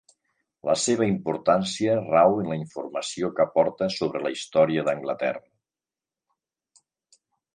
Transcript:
La seva importància rau en la informació que aporta sobre la història d'Anglaterra.